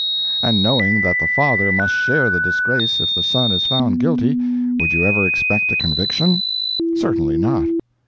And knowing that the father must share the disgrace if the son is found guilty, would you ever expect a conviction? Certainly not.